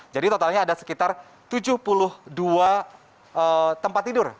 jadi totalnya ada sekitar tujuh puluh dua tempat tidur